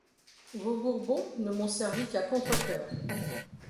Vos Bourbons ne m'ont servi qu'à contre-coeur.